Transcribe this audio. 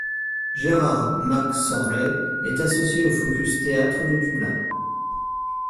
Gerard McSorley est associé au Focus Theatre de Dublin.